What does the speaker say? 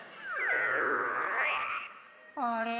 ・あれ？